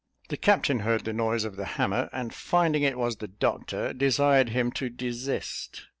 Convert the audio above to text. The captain heard the noise of the hammer, and finding it was the doctor, desired him to desist.